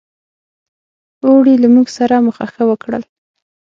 اوړي له موږ سره مخه ښه وکړل.